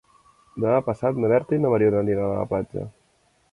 Demà passat na Berta i na Mariona aniran a la platja.